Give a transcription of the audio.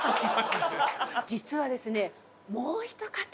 実はですね。